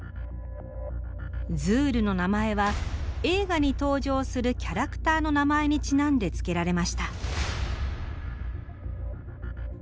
ズールの名前は映画に登場するキャラクターの名前にちなんで付けられました。